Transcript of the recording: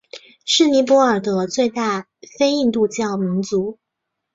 是尼泊尔的最大非印度教民族。